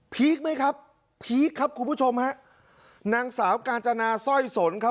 คไหมครับพีคครับคุณผู้ชมฮะนางสาวกาญจนาสร้อยสนครับ